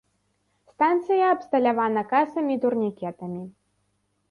Станцыя абсталявана касамі і турнікетамі.